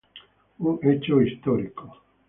Un hecho histórico.